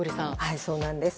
そうなんです。